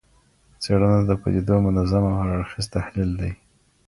څېړنه د پدیدو منظم او هر اړخیز تحلیل دی.